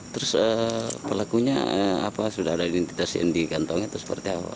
terus pelakunya apa sudah ada identitas yang digantongi atau seperti apa